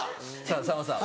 さんまさん